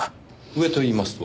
上と言いますと？